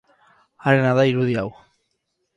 Harena da irudi hau.